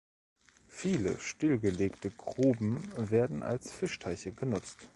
Viele stillgelegte Gruben werden als Fischteiche genutzt.